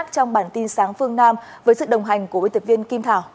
trong bản tin sáng phương nam với sự đồng hành của biên tập viên kim thảo